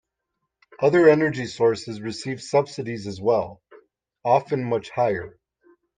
Other energy sources receive subsidies as well, often much higher.